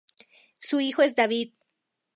Su hijo es David.